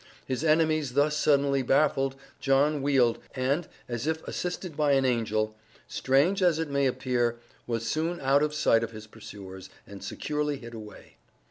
His enemies thus suddenly baffled, John wheeled, and, as if assisted by an angel, strange as it may appear, was soon out of sight of his pursuers, and securely hid away.